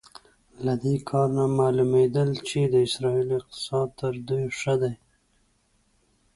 له دې کار نه معلومېدل چې د اسرائیلو اقتصاد تر دوی ښه دی.